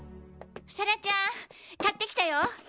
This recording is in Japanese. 世良ちゃん買ってきたよ。